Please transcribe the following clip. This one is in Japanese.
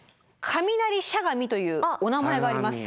「雷しゃがみ」というお名前があります。